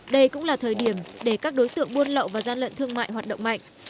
đây cũng là thời điểm để các đối tượng buôn lậu và gian lận thương mại hoạt động mạnh